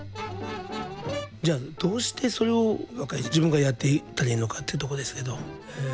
じゃあどうしてそれを若い自分がやっていったらいいのかっていうとこですけどえ